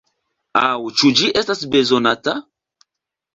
Aŭ ĉu ĝi estas bezonata?